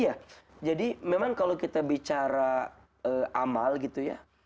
iya jadi memang kalau kita bicara amal gitu ya